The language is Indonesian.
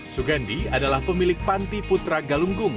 sugandi adalah pemilik panti putra galunggung